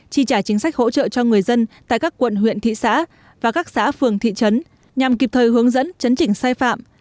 chi trả chính sách hỗ trợ cho người dân tại các quận huyện thị xã và các xã phường thị trấn nhằm kịp thời hướng dẫn chấn chỉnh sai phạm